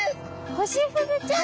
ホシフグちゃん！